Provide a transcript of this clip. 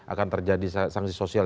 akan terjadi sanksi sosial